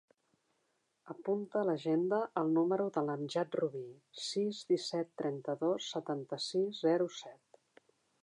Apunta a l'agenda el número de l'Amjad Rubi: sis, disset, trenta-dos, setanta-sis, zero, set.